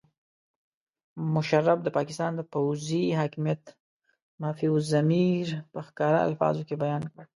مشرف د پاکستان د پوځي حاکمیت مافي الضمیر په ښکاره الفاظو کې بیان کړ.